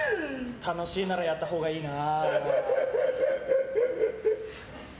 楽しいならやったほうがいいな。